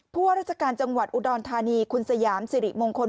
ว่าราชการจังหวัดอุดรธานีคุณสยามสิริมงคล